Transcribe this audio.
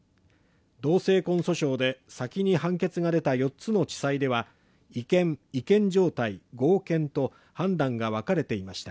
同性婚訴訟で、先に判決が出た四つの地裁では、違憲、違憲状態合憲と判断がわかれていました。